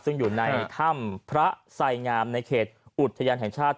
ซึ่งอยู่ในถ้ำพระไสงามในเขตอุทยานแห่งชาติ